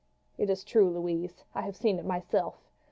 "It is true, Louise. I have seen it myself.